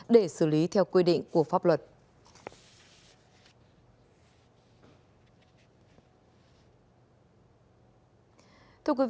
để xử lý theo quy định của pháp luật